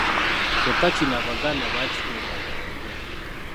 Kyokka kino Abaganda baakikenga mangu